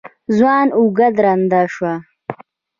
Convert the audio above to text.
ځوان اوږه درنه شوه.